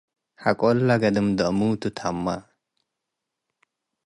ሐቆ እለ ገድም ደአሙ ቱ ተመ ።